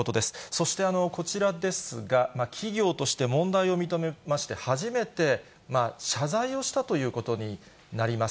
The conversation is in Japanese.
そしてこちらですが、企業として問題を認めまして、初めて謝罪をしたということになります。